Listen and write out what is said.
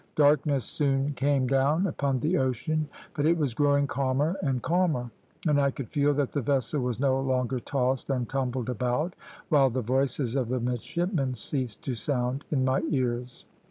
Darkness soon came down upon the ocean, but it was growing calmer and calmer, and I could feel that the vessel was no longer tossed and tumbled about, while the voices of the midshipmen ceased to sound in my ears.